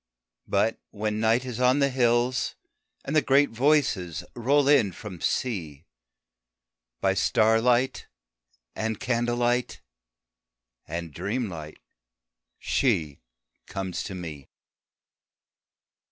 But when Night is on the hills, and the great Voices Roll in from Sea, By starlight and candle light and dreamlight She comes to me.